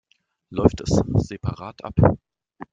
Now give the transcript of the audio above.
Läuft es separat ab?